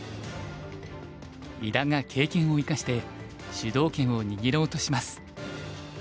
伊田が経験を生かして主導権を握ろうとします。